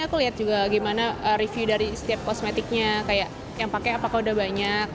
aku lihat juga gimana review dari setiap kosmetiknya kayak yang pakai apakah udah banyak